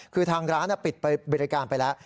คือทางร้านปิดบริการไปแล้ว